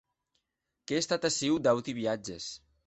Qu’è estat aciu d’auti viatges.